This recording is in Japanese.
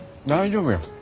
大丈夫や。